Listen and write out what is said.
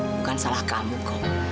bukan salah kamu kok